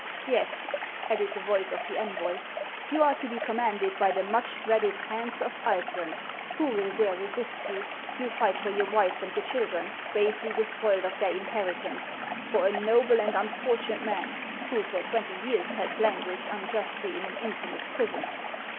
" Yes," added the voice of the envoy, " you are to be commanded by the much dreaded Hans of Iceland. Who will dare resist you ? You fight for your wives and your children, basely despoiled of their inheritance ; for a noble and unfortunate man, who for twenty years has languished unjustly in an infamous prison.